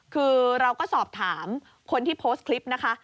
คือเราก็สอบถามคนที่โพสต์คลิปนะคะ